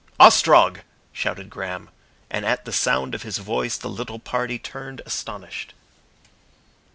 "Ostrog," shouted Graham, and at the sound of his voice the little party turned astonished.